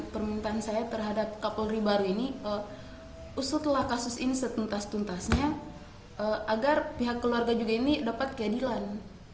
permintaan saya terhadap kapolri baru ini usutlah kasus ini setuntas tuntasnya agar pihak keluarga juga ini dapat keadilan